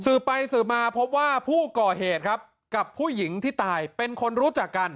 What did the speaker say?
ไปสืบมาพบว่าผู้ก่อเหตุครับกับผู้หญิงที่ตายเป็นคนรู้จักกัน